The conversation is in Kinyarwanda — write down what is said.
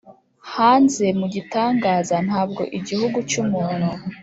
hanze mu gitangaza ntabwo igihugu cyumuntu;